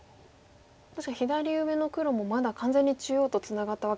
確かに左上の黒もまだ完全に中央とツナがったわけでは。